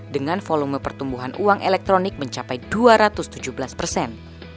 dengan volume pertumbuhan uang elektronik mencapai dua ratus tujuh belas persen